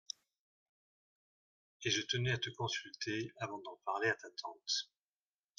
Et je tenais à te consulter avant d’en parler à ta tante.